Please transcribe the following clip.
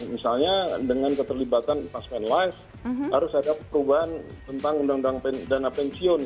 misalnya dengan keterlibatan pasmen life harus ada perubahan tentang undang undang dana pensiun